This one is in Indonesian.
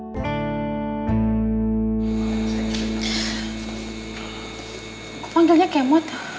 kok panggilnya kemot